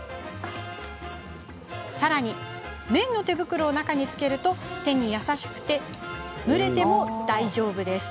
さらに、綿の手袋を中につけると手に優しくて蒸れても大丈夫。